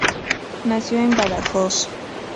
Nació en Badajoz.